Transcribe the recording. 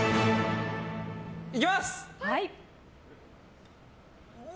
いきます！